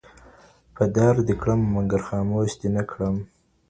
په دار دي کړم مګر خاموش دي نکړم